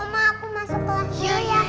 oma aku masuk kelas dulu ya